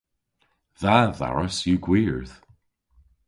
Dha dharas yw gwyrdh.